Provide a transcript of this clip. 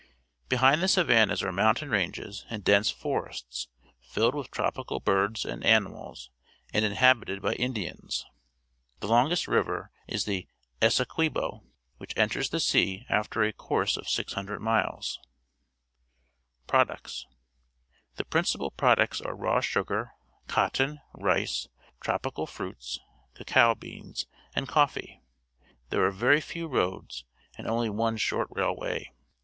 Behind the savannas are mountain ranges and dense forests filled with tropical birds and animals and inhabited by Indians. The longest river is the Essequibo, which enters the sea after a course of 600 miles. Products. — The principal products are raw sugar, cotton, rice, tropical fruits, cacao beans, and coffee. There are xevy few roads and only one short railway.